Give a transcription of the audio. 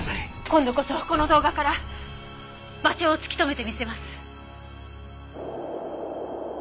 今度こそこの動画から場所を突き止めて見せます。